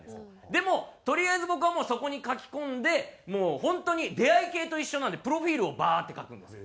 でもとりあえず僕はもうそこに書き込んでもう本当に出会い系と一緒なんでプロフィールをバーッて書くんです。